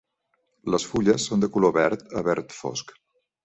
Les fulles són de color verd a verd fosc.